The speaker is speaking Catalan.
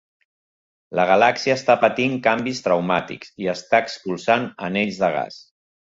La galàxia està patint canvis traumàtics i està expulsant anells de gas.